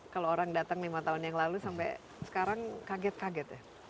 kalau orang datang lima tahun yang lalu sampai sekarang kaget kaget ya